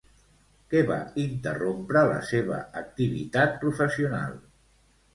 Què va interrompre la seva activitat professional?